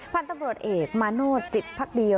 ผ่านตำรวจเอกมาโน่นจิตพักดี